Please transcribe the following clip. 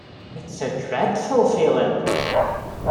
It’s a dreadful feeling.